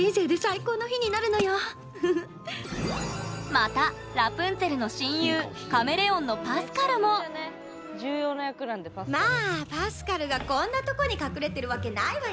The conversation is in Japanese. またラプンツェルの親友カメレオンのまあパスカルがこんなとこに隠れてるわけないわよねえ。